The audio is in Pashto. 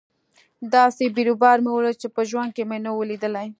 داسې بيروبار مې وليد چې په ژوند کښې مې نه و ليدلى.